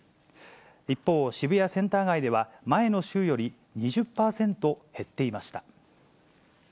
一方、渋谷センター街では前の週より２０％減っていました。